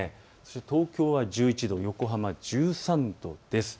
東京は１１度、横浜１３度です。